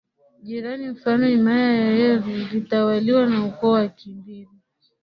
Jirani mfano himaya ya heru ilitawaliwa na ukoo wa wakimbiri